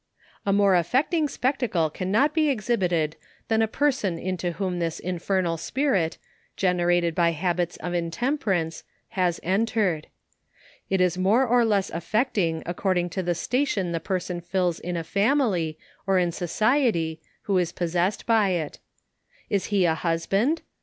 A more affecting spectacle cannot he exhibited than a person into whom this infernal spirit, generated by hab its of intemperance, has entered. It is more or less af fecting according to the station the person fdls in a fami ly, or in society, who is possessed by it. Is he a husband ?